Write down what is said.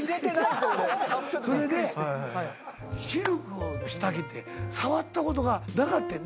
それでシルクの下着って触ったことがなかってんな俺。